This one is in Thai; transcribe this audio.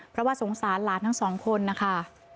เพราะว่าสงสารหลานทั้งสองคนนะคะ